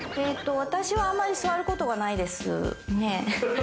私はあんまり座ることはないです。